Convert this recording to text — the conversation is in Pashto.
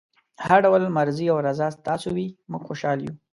هر ډول مرضي او رضای تاسو وي موږ خوشحاله یو.